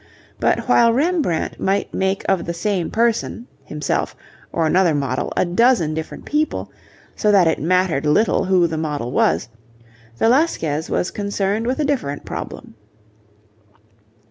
But while Rembrandt might make of the same person, himself, or another model, a dozen different people, so that it mattered little who the model was, Velasquez was concerned with a different problem.